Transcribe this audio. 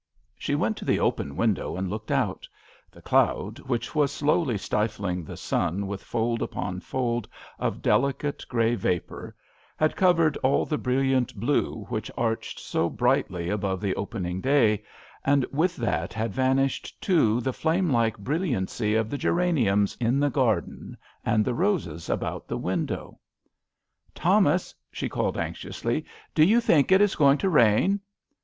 She went to the open window and looked out. The cloud which was slowly stifling the sun with fold upon fold of deli cate grey vapour had covered all the brilliant blue which arched so brightly above the opening day, and with that had vanished too the flame like brilliancy of the geraniums in the garden and the roses about the window. " Thomas," she called, anxious I I^i A RAIKY DAV. ly, '' do you think it is going to rain